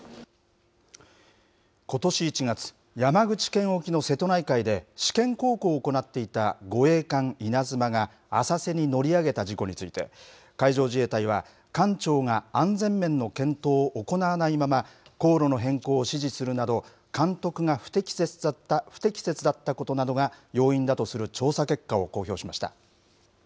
ことし１月、山口県沖の瀬戸内海で試験航行を行っていた護衛艦いなづまが浅瀬に乗り上げた事故について、海上自衛隊は、艦長が安全面の検討を行わないまま航路の変更を指示するなど、監督が不適切だったことなどが要因だとする調査結果を公表しました。